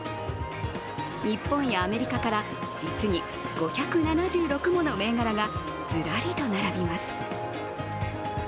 日本やアメリカから実に５７６もの銘柄がずらりと並びます。